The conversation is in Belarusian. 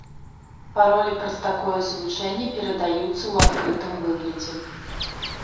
Паролі праз такое злучэнне перадаюцца ў адкрытым выглядзе.